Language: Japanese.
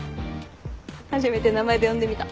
初めて名前で呼んでみた。